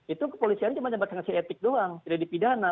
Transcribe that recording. itu kepolisian cuma dapat sanksi etik doang tidak dipidana